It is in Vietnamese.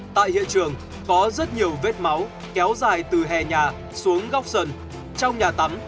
tại hiện trường có rất nhiều vết máu kéo dài từ hè nhà xuống góc sần